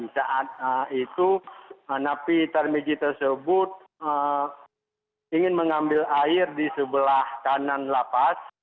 saat itu napi tarmizi tersebut ingin mengambil air di sebelah kanan lapas